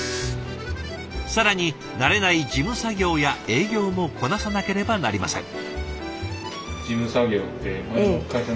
更に慣れない事務作業や営業もこなさなければなりません。